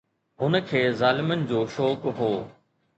هن کي ظالمن جو شوق هو.